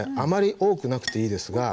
多くなくていいんですか？